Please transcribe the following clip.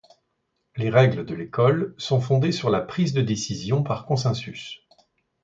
Les règles de l'école sont fondées sur la prise de décision par consensus.